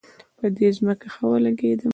په ده ځکه ښه ولګېدم.